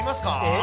え？